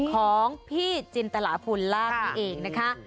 ของพี่จินตลาภูลลาบนี่เองนะคะ